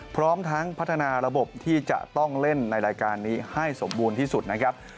พร้อมทั้งพัฒนาระบบที่จะต้องเล่นในรายการนี้ให้สมบูรณ์ที่สุดนะครับ